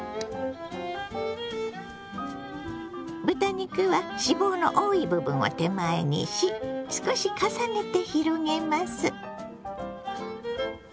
豚肉は脂肪の多い部分を手前にし少し重ねて広げます。